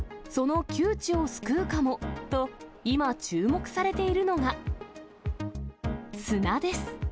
その窮地を救うかもと、今、注目されているのが、砂です。